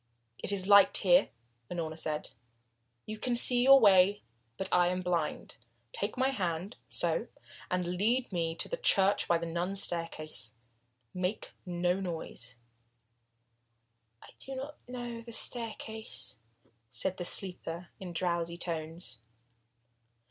"It is light here," Unorna said. "You can see your way. But I am blind. Take my hand so and now lead me to the church by the nun's staircase. Make no noise." "I do not know the staircase," said the sleeper in drowsy tones.